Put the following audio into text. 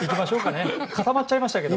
固まっちゃいましたけど。